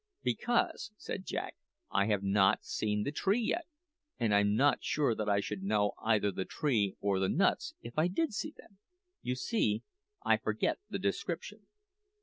"Because," said Jack, "I have not seen the tree yet, and I'm not sure that I should know either the tree or the nuts if I did see them. You see, I forget the description."